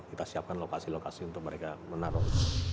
kita siapkan lokasi lokasi untuk mereka menaruh